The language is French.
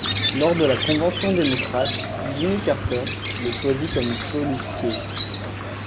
Lors de la convention démocrate, Jimmy Carter le choisit comme colistier.